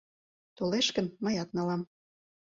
Толеш гын, мыят налам.